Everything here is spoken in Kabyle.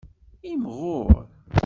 Imɣur.